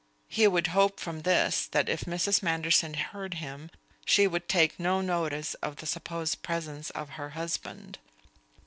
He would hope from this that if Mrs. Manderson heard him, she would take no notice of the supposed presence of her husband.